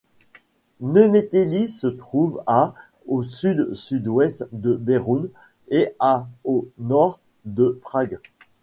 Neumětely se trouve à au sud-sud-ouest de Beroun et à au nord de Prague.